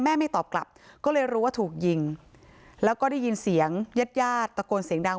ไม่ตอบกลับก็เลยรู้ว่าถูกยิงแล้วก็ได้ยินเสียงญาติญาติตะโกนเสียงดัง